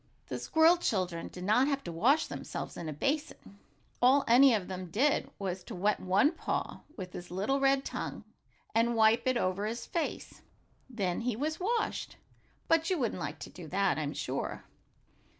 The squirrel children did not have to wash themselves in a basin. All any of them did was to wet one paw with his little red tongue, and wipe it over his face. Then he was washed. But you wouldn't like to do that, I'm sure.